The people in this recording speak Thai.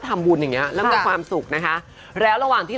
ที่อยู่เยอะแล้วก็ทำบุญอย่างเงี้ย